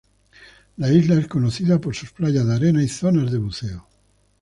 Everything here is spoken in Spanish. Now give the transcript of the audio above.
La isla es conocida por sus playas de arena y zonas de buceo.